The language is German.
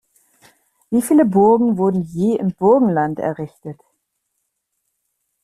Wie viele Burgen wurden je im Burgenland errichtet?